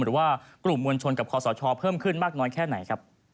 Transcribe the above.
หรือว่ากลุ่มมวลชนกับคอสชเพิ่มขึ้นมากน้อยแค่ไหนครับ